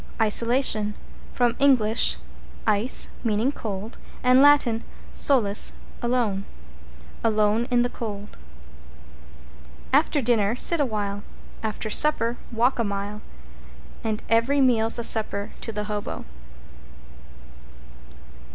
=ISOLATION= From Eng. ice, meaning cold, and Lat. solus, alone. Alone in the cold. After dinner sit a while, after supper walk a mile And every meal's a supper to the Hobo.